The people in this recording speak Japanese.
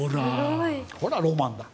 ほらロマンだ！